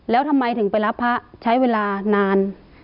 แล้วทำไมถึงไปรับพระใช้เวลานาน